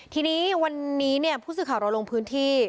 ที่นี้วันนี้เนี่ยผู้สื่อข่าวร่วมพื้นที่